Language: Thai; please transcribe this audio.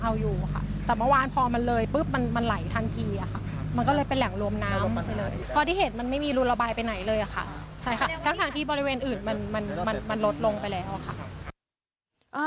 เข้าไปในในในคอนโดค่ะมันก็ยังเอาอยู่ค่ะ